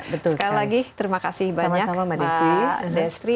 sekali lagi terima kasih banyak mbak destri